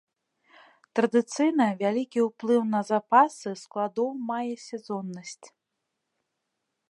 Традыцыйна вялікі ўплыў на запасы складоў мае сезоннасць.